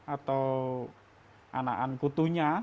atau anaan kutunya